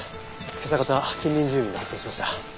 今朝方近隣住民が発見しました。